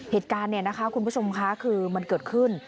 เหตุการณ์คุณผู้ชมค่ะคือมันเกิดขึ้น